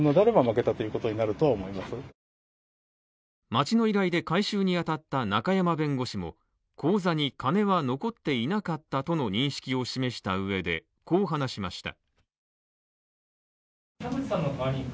町の依頼で回収にあたった中山弁護士も口座に金は残っていなかったとの認識を示した上で、こう話しました。